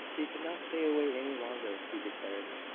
He could not stay away any longer, he declared.